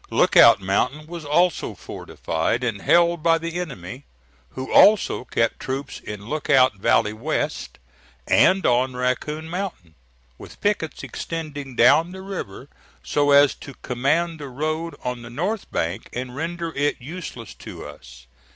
Lookout Mountain was also fortified and held by the enemy, who also kept troops in Lookout valley west, and on Raccoon Mountain, with pickets extending down the river so as to command the road on the north bank and render it useless to us.